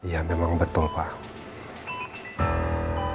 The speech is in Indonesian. ya memang betul pak